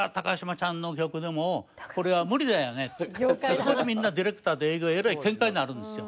そこでみんなディレクターと営業えらいケンカになるんですよ。